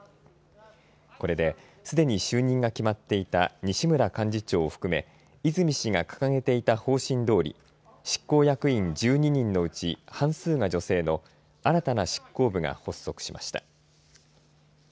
これですでに就任が決まっていた西村幹事長を含め泉氏が掲げていた方針どおり執行役員１２人のうち半数が女性の新たな執行部が発足しました。